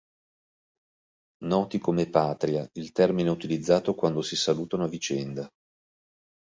Noti come "Patria", il termine utilizzato quando si salutano a vicenda.